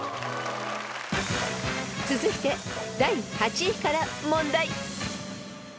［続いて第８位から問題］